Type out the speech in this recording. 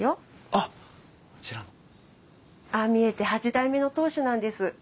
ああ見えて八代目の当主なんです。